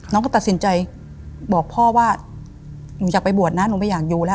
น้องก็ตัดสินใจบอกพ่อว่าหนูอยากไปบวชนะหนูไม่อยากอยู่แล้ว